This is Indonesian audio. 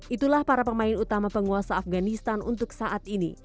itulah para pemain utama penguasa afganistan untuk saat ini